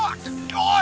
おい！